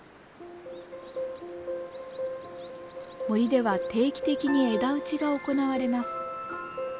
森では定期的に枝打ちが行われます。